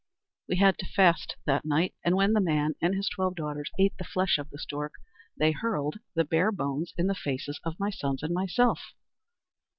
We had to fast that night; and when the man and his twelve daughters ate the flesh of the stork, they hurled the bare bones in the faces of my sons and myself.